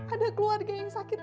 ada keluarga yang sakit